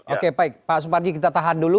oke baik pak suparji kita tahan dulu